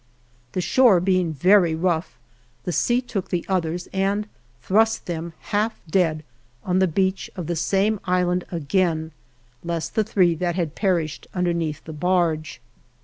The shore being very rough, the sea took the others and thrust them, half dead, on the 57 THE JOURNEY OF beach of the same island again, less the three that had perished underneath the barge.